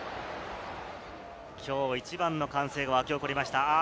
きょう一番の歓声が沸き起こりました。